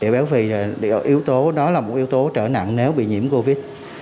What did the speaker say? nếu vì yếu tố đó là một yếu tố trở nặng nếu bị nhiễm covid